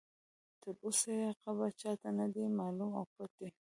تر اوسه یې قبر چا ته نه دی معلوم او پټ دی.